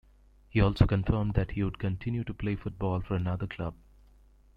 He also confirmed that he would continue to play football for another club.